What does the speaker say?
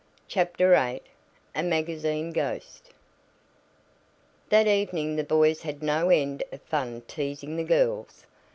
CHAPTER VIII A MAGAZINE GHOST That evening the boys had no end of fun teasing the girls.